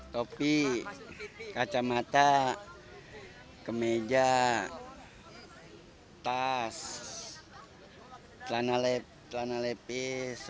topi kacamata kemeja tas celana levis